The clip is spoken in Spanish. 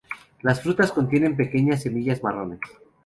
Las frutas contienen pequeñas semillas marrones.